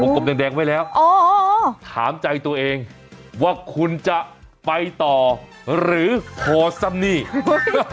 โกบแดงไว้แล้วถามใจตัวเองว่าคุณจะไปต่อหรือโพสัมนีย์